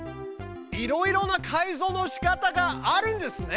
いろいろな改造のしかたがあるんですね。